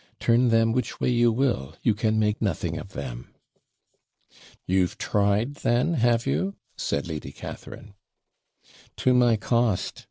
Turn them which way you will, you can make nothing of them.' 'You've tried then, have you?' said Lady Catharine. 'To my cost.